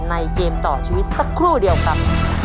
เกมต่อชีวิตสักครู่เดียวครับ